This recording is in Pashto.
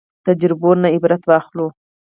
تجربو نه عبرت واخلو